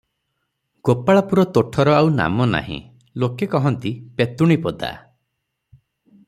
ଗୋପାଳପୁର ତୋଠର ଆଉ ନାମ ନାହିଁ, ଲୋକେ କହନ୍ତି ପେତୁଣୀପଦା ।